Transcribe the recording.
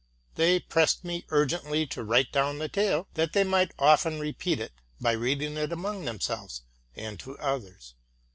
'They pressed me urgently to write down ie tale, that they might often repeat it by reading it among themselves, and to others.